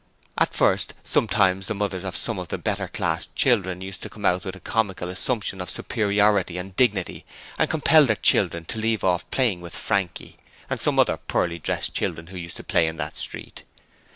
At first, sometimes the mothers of some of the better class children used to come out with a comical assumption of superiority and dignity and compel their children to leave off playing with Frankie and some other poorly dressed children who used to play in that street.